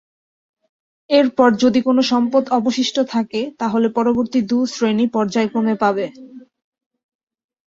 এরপর যদি কোন সম্পদ অবশিষ্ট থাকে তাহলে পরবর্তী দু শ্রেণী পর্যায়ক্রমে পাবে।